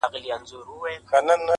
• مگر هېر به وایه څنگه ستا احسان کړم -